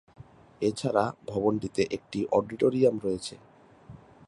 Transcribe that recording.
এছাড়া ভবনটিতে একটি অডিটোরিয়াম রয়েছে।